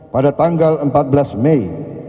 pada tanggal empat belas mei